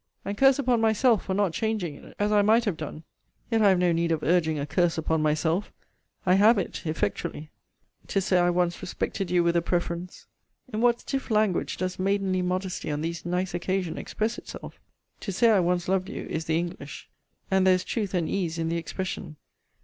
and curse upon myself for not changing it, as I might have done! Yet I have no need of urging a curse upon myself I have it effectually. 'To say I once respected you with a preference!'* In what stiff language does maidenly modesty on these nice occasion express itself! To say I once loved you, is the English; and there is truth and ease in the expression.